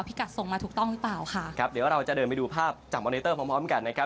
พี่กัดส่งมาถูกต้องหรือเปล่าค่ะครับเดี๋ยวเราจะเดินไปดูภาพจากมอเนเตอร์พร้อมพร้อมกันนะครับ